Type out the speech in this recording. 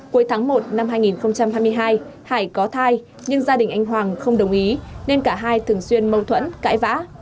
cuối tháng một năm hai nghìn hai mươi hai hải có thai nhưng gia đình anh hoàng không đồng ý nên cả hai thường xuyên mâu thuẫn cãi vã